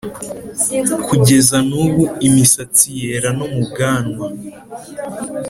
Kugeza n ' ubu imisatsi yera no mu bwanwa